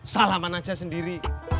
salaman aja sendiri